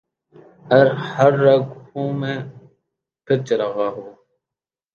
ہر رگ خوں میں پھر چراغاں ہو